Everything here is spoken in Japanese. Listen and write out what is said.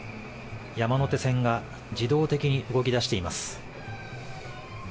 山手線が自動的に動き出しています。